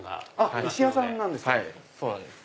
石屋さんなんですか！